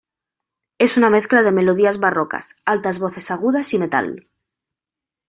Es una mezcla de melodías barrocas, altas voces agudas y metal.